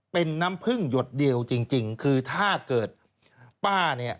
เป็นน้ำพึ่งหยดเดียวจริงคือถ้าเกิดป้าเนี่ย